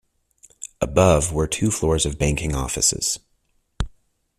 Above were two floors of banking offices.